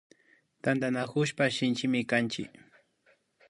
Tantanakushpaka Shinchimi kanchik